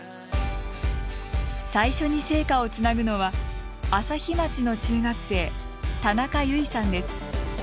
最初に聖火をつなぐのは朝日町の中学生田中結衣さんです。